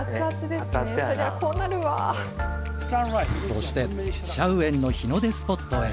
そしてシャウエンの日の出スポットへ。